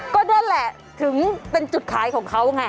ก็นั่นแหละถึงเป็นจุดขายของเขาไง